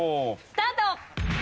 スタート！